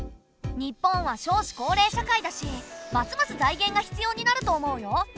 日本は少子高齢社会だしますます財源が必要になると思うよ。